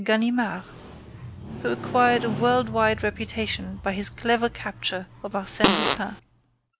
Ganimard who acquired a world wide reputation by his clever capture of Arsène Lupin.